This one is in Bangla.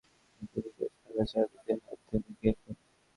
ট্রেন আসছে জয়দেবপুর প্রান্ত থেকে, তিনি গেট ফেলার চাবিতে হাত দিলেন, গেট নামছে।